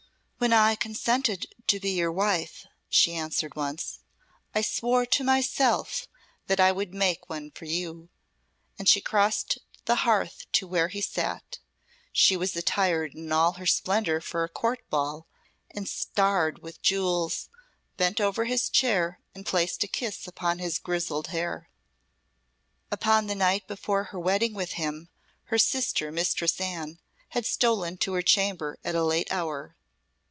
"When I consented to be your wife," she answered once, "I swore to myself that I would make one for you;" and she crossed the hearth to where he sat she was attired in all her splendour for a Court ball, and starred with jewels bent over his chair and placed a kiss upon his grizzled hair. Upon the night before her wedding with him, her sister, Mistress Anne, had stolen to her chamber at a late hour.